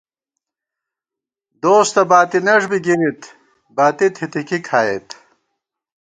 دوس تہ باتی نَݭ بی گِرِت ، باتی تِھتِھکی کھائېت